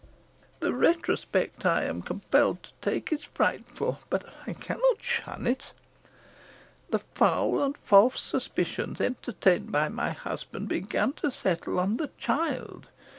The retrospect I am compelled to take is frightful, but I cannot shun it. The foul and false suspicions entertained by my husband began to settle on the child.